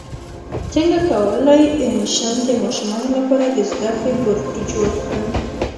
څنګه کولی شم د ماشومانو لپاره د زده کړې بورډ جوړ کړم